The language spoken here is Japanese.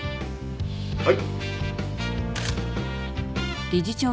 はい。